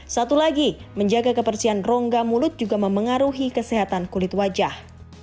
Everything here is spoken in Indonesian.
satu lagi menjaga kebersihan rongga mulut juga memengaruhi kesehatan kulit wajah